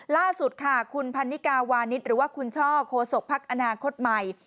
ล่าสุดค่ะคุณพันนิกาวานิสหรือว่าคุณช่อโคศกภักดิ์อนาคตใหม่